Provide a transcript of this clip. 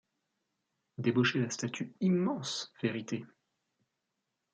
D’ébaucher la statue immense Vérité.